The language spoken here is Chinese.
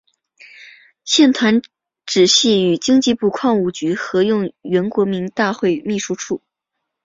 现团址系与经济部矿务局合用原国民大会秘书处。